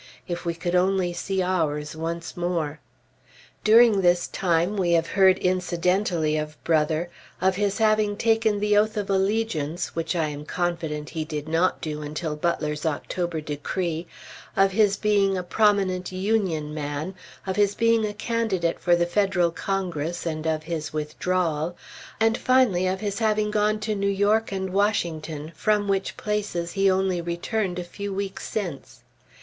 If we could only see ours once more! During this time we have heard incidentally of Brother; of his having taken the oath of allegiance which I am confident he did not do until Butler's October decree of his being a prominent Union man, of his being a candidate for the Federal Congress, and of his withdrawal; and finally of his having gone to New York and Washington, from which places he only returned a few weeks since.